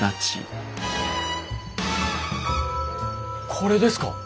これですか！？